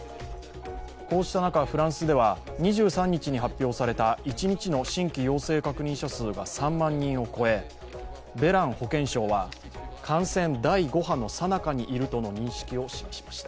こうした中フランスでは、２３日に発表された一日の新規陽性確認者数が３万人を超え、ベラン保健相は感染第５波のさなかにいるとの認識を示しました。